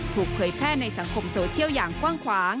ถูกเผยแพร่ในสังคมโซเชียลอย่างกว้าง